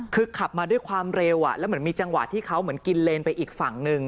คือขับมาด้วยความเร็วแล้วเหมือนมีจังหวะที่เขาเหมือนกินเลนไปอีกฝั่งหนึ่ง